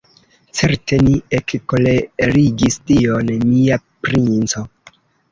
Certe ni ekkolerigis Dion, mia princo.